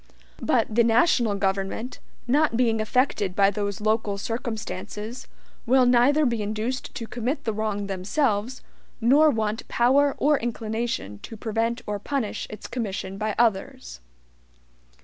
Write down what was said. But the national government, not being affected by those local circumstances, will neither be induced to commit the wrong themselves, nor want power or inclination to prevent or punish its commission by others.